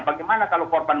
bagaimana kalau korban